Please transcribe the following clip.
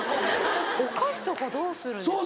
お菓子とかどうするんですか？